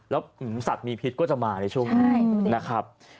แล้วสัตว์มีพิษก็จะมาในช่วงนี้นะครับ